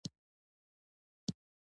د غاښونو خرابوالی د سر درد لامل ګرځي.